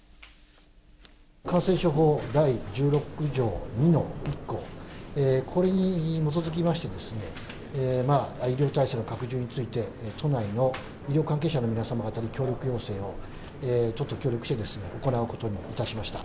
感染症法第１６条２の１項、これに基づきまして、医療体制の拡充について、都内の医療関係者の皆様方に協力要請を、都と協力して行うことにいたしました。